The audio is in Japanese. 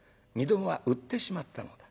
どもは売ってしまったのだ。